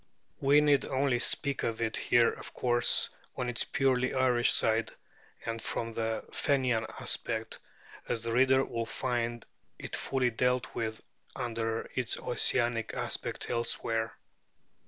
We need only speak of it here of course on its purely Irish side and from the Fenian aspect, as the reader will find it fully dealt with under its Ossianic aspect elsewhere.